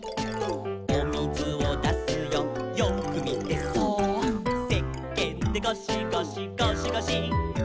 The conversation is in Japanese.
「おみずをだすよよーくみてそーっ」「せっけんでゴシゴシゴシゴシ」